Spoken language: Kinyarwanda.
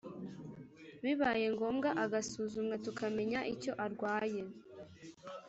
bibaye ngombwa agasuzumwa tukamenya icyo andwaye